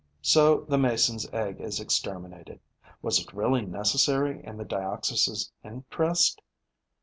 So the Mason's egg is exterminated. Was it really necessary in the Dioxys' interest?